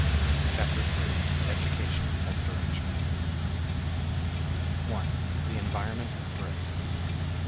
Chapter Three: Education as Direction 1. The Environment as Directive.